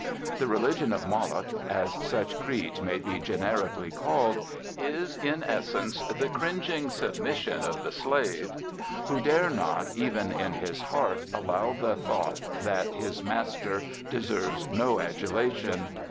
The religion of Moloch as such creeds may be generically called is in essence the cringing submission of the slave, who dare not, even in his heart, allow the thought that his master deserves no adulation.